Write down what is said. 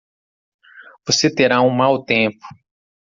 Você terá um mau tempo.